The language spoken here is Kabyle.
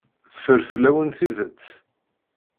Teffer fell-awen tidet.